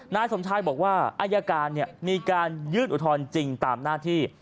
นายสมชายบอกว่าอายการมีการยื่นอุทธรณ์จริงตามหน้าที่